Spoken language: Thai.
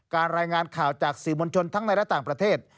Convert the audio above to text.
รายงานข่าวจากสื่อมวลชนทั้งในและต่างประเทศ